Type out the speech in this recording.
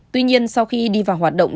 tuy nhiên sau khi đi vào hoạt động